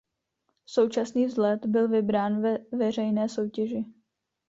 Současný vzhled byl vybrán ve veřejné soutěži.